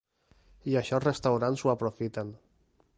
I això els restaurants ho aprofiten.